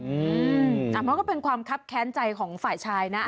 มันก็เป็นความคับแค้นใจของฝ่ายชายนะ